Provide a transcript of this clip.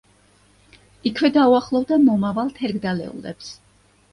იქვე დაუახლოვდა მომავალ „თერგდალეულებს“.